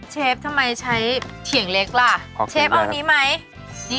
เชฟทำไมใช้เถียงเล็กล่ะเชฟเอาตัวกันมั้ย